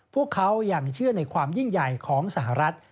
พวกเขายังเชื่อในความยิ่งใหญ่ของสหรัฐ